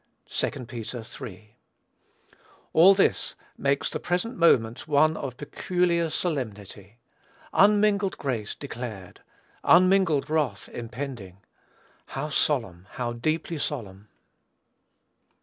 (2 Peter iii.) All this makes the present moment one of peculiar solemnity. Unmingled grace declared! unmingled wrath impending! How solemn! How deeply solemn!